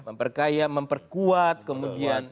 memperkaya memperkuat kemudian